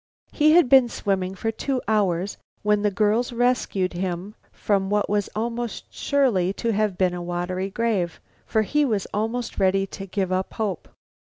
He had been swimming for two hours when the girls rescued him from what was almost sure to have been a watery grave, for he was almost ready to give up hope.